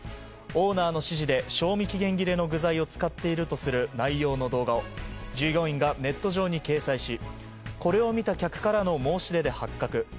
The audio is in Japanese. オーナーの指示で賞味期限切れの具材を使っているとする内容の動画を従業員がネット上に掲載しこれを見た客からの申し出で発覚。